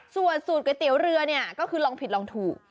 ส่วนสูตรก๋วยเตี๋ยวเรือเนี่ยก็คือลองผิดลองถูก